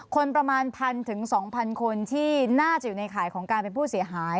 คนประมาณ๑๐๐๒๐๐คนที่น่าจะอยู่ในข่ายของการเป็นผู้เสียหาย